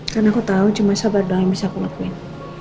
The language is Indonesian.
karena aku tau cuma sabar doang yang bisa aku lakuin